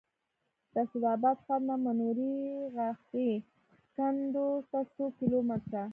د اسداباد ښار نه منورې غاښي کنډو ته څو کیلو متره